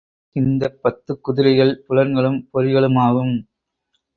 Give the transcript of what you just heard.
இந்தப் பத்துக் குதிரைகள் புலன்களும் பொறிகளுமாகும்.